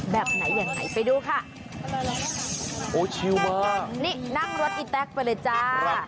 แบบไหนอย่างไรไปดูค่ะโอ้ชิวมากนี่นั่งรถอีแต๊กไปเลยจ้าครับ